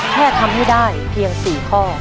แค่ทำให้ได้เพียง๔ข้อ